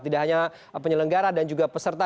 tidak hanya penyelenggara dan juga peserta